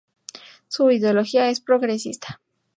Su ideología es progresista.